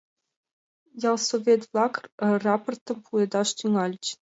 Ялсовет-влак рапортым пуэдаш тӱҥальыч.